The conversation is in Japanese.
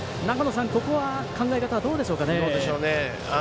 ここは考え方はどうでしょうかね。